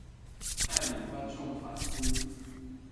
帶領觀眾反思